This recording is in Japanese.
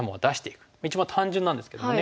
一番単純なんですけどもね。